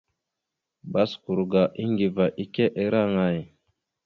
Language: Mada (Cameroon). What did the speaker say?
Baskur ga Aŋgiva ike ira aŋay?